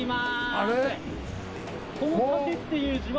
あれ？